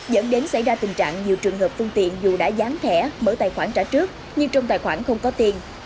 dẫn đến xảy ra tình trạng nhiều trường hợp phương tiện dù đã gián thẻ mở tài khoản trả trước nhưng trong tài khoản không có tiền